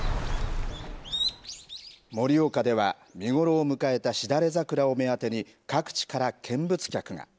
盛岡では見頃を迎えたシダレザクラを目当てに各地から見物客が。